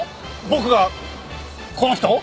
僕がこの人を？